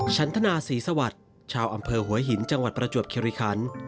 ฉันธนาศรีสวัสดิ์ชาวอำเภอหัวหินจังหวัดประจวบคิริคัน